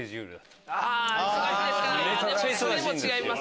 それも違います。